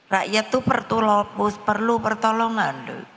rakyat itu perlu pertolongan